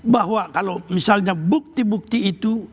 bahwa kalau misalnya bukti bukti itu